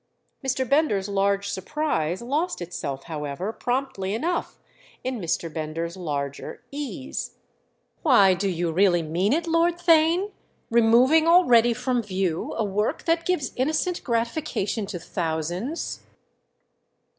Mr. Bender's large surprise lost itself, however, promptly enough, in Mr. Bender's larger ease. "Why, do you really mean it, Lord Theign?—removing already from view a work that gives innocent gratification to thousands?"